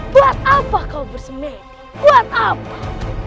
kenapa kau bersenang kenapa